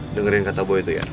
dengerin kata boy tuh ya